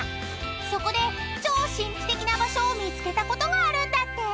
［そこで超神秘的な場所を見つけたことがあるんだって］